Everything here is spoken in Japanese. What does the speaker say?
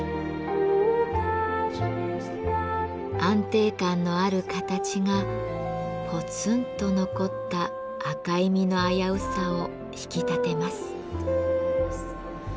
安定感のある形がぽつんと残った赤い実の危うさを引き立てます。